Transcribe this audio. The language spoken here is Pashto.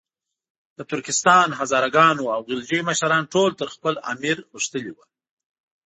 د ترکستان، هزاره ګانو او غلجیو مشران ټول تر خپل امیر غښتلي وو.